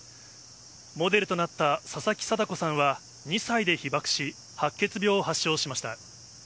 モデルとなった佐々木禎子さんは２歳で被爆し、白血病を発症しました。